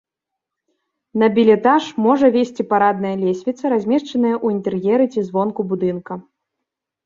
На бельэтаж можа весці парадная лесвіца, размешчаная ў інтэр'еры ці звонку будынка.